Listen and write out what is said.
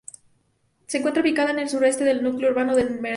Se encuentra ubicada en el suroeste del núcleo urbano de Mendrisio.